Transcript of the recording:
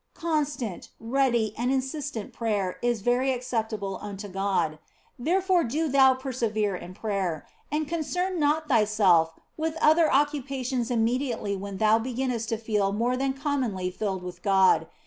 Constant, ready, and insistent prayer is very acceptable unto God. Therefore do thou persevere in prayer, and concern not thyself with other occupations immediately when thou beginnest to feel more than commonly filled with God.